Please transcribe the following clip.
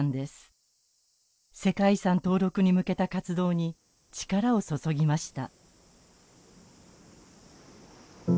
世界遺産登録に向けた活動に力を注ぎました。